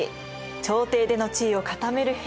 朝廷での地位を固める平氏。